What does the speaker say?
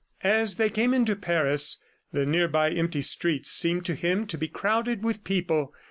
As they came into Paris, the nearly empty streets seemed to him to be crowded with people.